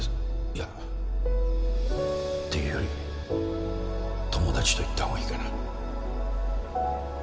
いやっていうより友達と言ったほうがいいかな。